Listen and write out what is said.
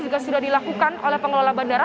juga sudah dilakukan oleh pengelola bandara